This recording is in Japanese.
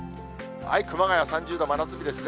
熊谷３０度、真夏日ですね。